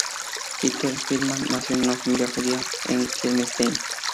Peter Feldmann nació a una familia judía, en Helmstedt.